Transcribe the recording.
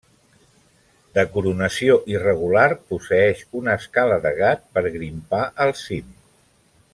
De coronació irregular, posseeix una escala de gat per grimpar al cim.